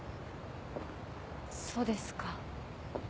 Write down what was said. そうですか。